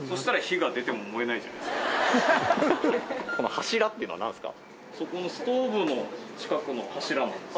「柱」っていうのは何ですか？